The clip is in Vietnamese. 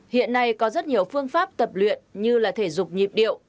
hiện nay có rất nhiều phương pháp tập luyện như là thể dục nhịp điệu